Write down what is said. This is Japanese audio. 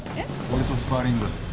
俺とスパーリングだ。